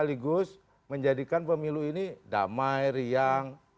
sekaligus menjadikan pemilu ini damai riang